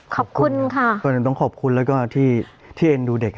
ขอบคุณค่ะต้องขอบคุณแล้วก็ที่เอ็นดูเด็ก